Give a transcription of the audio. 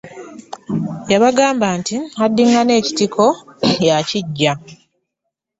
Yabagamab nti addingana ekitiko y'akigya.